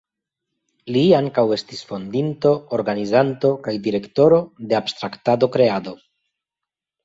Li ankaŭ estis fondinto, organizanto kaj direktoro de Abstraktado-Kreado.